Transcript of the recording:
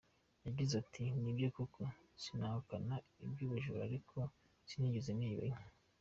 Yagize ati: “Nibyo koko sinahakana iby’ubujura ariko sinigeze niba inka.